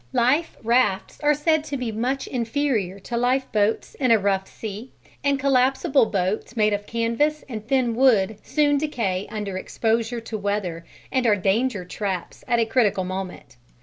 Life rafts are said to be much inferior to lifeboats in a rough sea, and collapsible boats made of canvas and thin wood soon decay under exposure to weather and are danger traps at a critical moment.